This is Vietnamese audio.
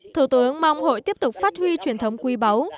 thủ tướng mong hội tiếp tục phát huy truyền thống quý báu